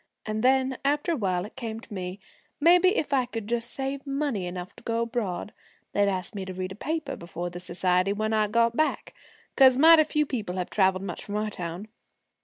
And then, after a while it came to me, maybe if I could just save money enough to go abroad, they'd ask me to read a paper before the society when I got back, 'cause mighty few people have traveled much from our town.